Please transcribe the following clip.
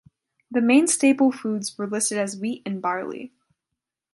The main staple foods were listed as wheat and barley.